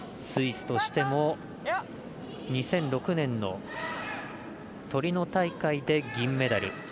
スイスとしても２００６年のトリノ大会で銀メダル。